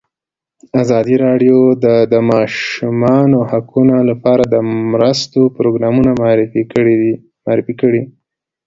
ازادي راډیو د د ماشومانو حقونه لپاره د مرستو پروګرامونه معرفي کړي.